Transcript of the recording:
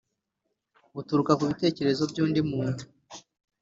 buturuka ku bitekerezo by'undi muntu